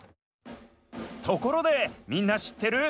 ところでみんなしってる？